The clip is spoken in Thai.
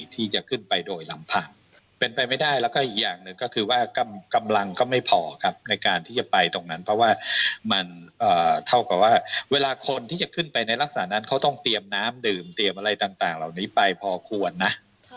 เท่ากับว่าเวลาคนที่จะขึ้นไปในรักษานั้นเขาต้องเตรียมน้ำดื่มเตรียมอะไรต่างเหล่านี้ไปพอควรนะ